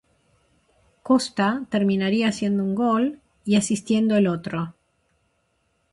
Costa terminaría haciendo un gol, y asistiendo el otro.